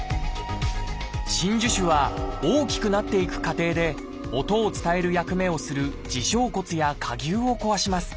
真珠腫は大きくなっていく過程で音を伝える役目をする耳小骨や蝸牛を壊します。